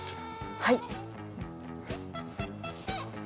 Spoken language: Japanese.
はい。